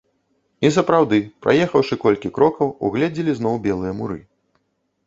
І сапраўды, праехаўшы колькі крокаў, угледзелі зноў белыя муры.